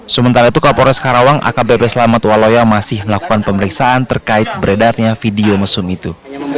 sementara itu kapolres karawang akbp selamat waloya masih melakukan pemeriksaan terkait beredarnya video mesum itu